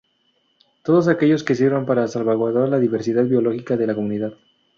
Todos aquellos que sirvan para salvaguardar la diversidad biológica de la comunidad.